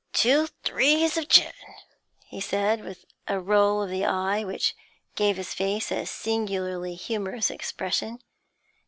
'Two threes of gin!' he said, with a roll of the eye which gave his face a singularly humorous expression.